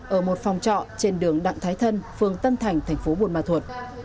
ở một phòng trọ trên đường đặng thái thân phương tân thành thành phố buôn ma thuật